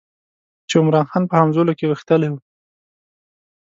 چې عمرا خان په همزولو کې غښتلی وو.